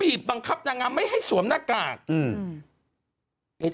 บังคับนางงามไม่ให้สวมหน้ากากอืม